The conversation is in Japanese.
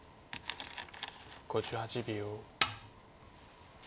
５８秒。